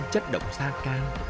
chất độc sa cam